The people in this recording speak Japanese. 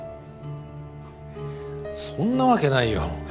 そんなわけないよ。